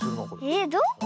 えっどこ？